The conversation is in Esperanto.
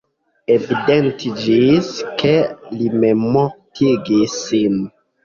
Evidentiĝis, ke li memmortigis sin.